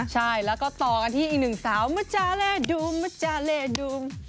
ใช่แล้วก็ต่อกันที่อีกหนึ่งสาวมาจาเล่ดูมัจจาเล่ดูม